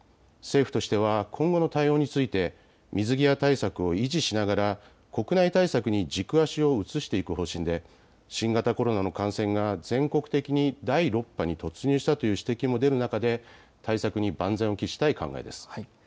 政府としては今後の対応について水際対策を維持しながら国内対策に軸足を移していく方針で新型コロナの感染が全国的に第６波に突入したという指摘も出る中で対策に万全を期したい考えです。